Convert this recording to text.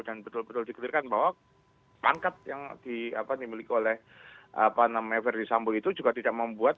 dan betul betul dikirakan bahwa pangkat yang dimiliki oleh verdi sambu itu juga tidak membuat